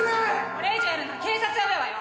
これ以上やるんなら警察呼ぶわよ。